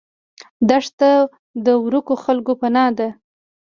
دښته د ورکو خلکو پناه ده.